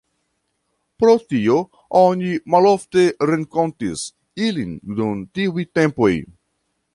Pro tio oni malofte renkontis ilin dum tiuj tempoj.